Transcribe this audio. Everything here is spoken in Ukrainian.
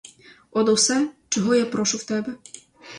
От усе, чого я прошу в тебе!